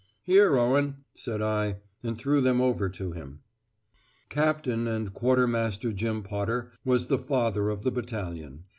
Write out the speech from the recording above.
"Here, Owen," said I, and threw them over to him. Captain and Quartermaster Jim Potter was the Father of the battalion.